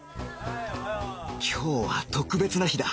今日は特別な日だ